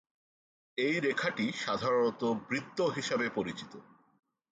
এই রেখাটি সাধারণত বৃত্ত হিসাবে পরিচিত।